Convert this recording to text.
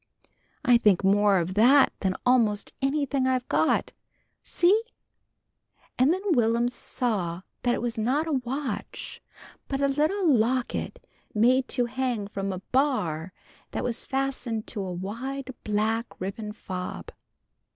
I think more of that than almost anything I've got. See?" And then Will'm saw that it was not a watch, but a little locket made to hang from a bar that was fastened to a wide black ribbon fob.